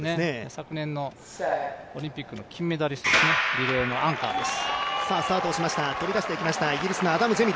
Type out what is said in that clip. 昨年のオリンピックの金メダル、リレーのアンカ−です。